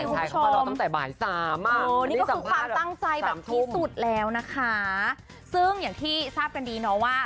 นี่ก็คือความตั้งใจแบบที่สุดแล้วนะคะซึ่งอย่างที่ทราบกันดีเนาะว่า